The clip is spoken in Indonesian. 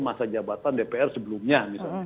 masa jabatan dpr sebelumnya